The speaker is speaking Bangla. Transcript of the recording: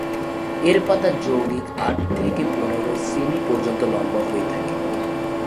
এর পাতা যৌগিক, আট থেকে পনেরো সেমি পর্যন্ত লম্বা হয়ে থাকে।